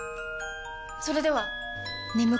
それでは！